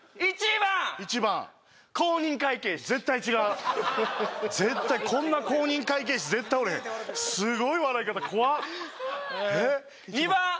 １番公認会計士絶対違う絶対こんな公認会計士絶対おれへんすごい笑い方怖っ２番！